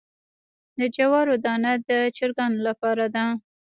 د جوارو دانه د چرګانو لپاره ده.